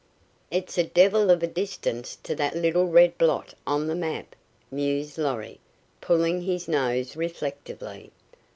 "It's a devil of a distance to that little red blot on the map," mused Lorry, pulling his nose reflectively.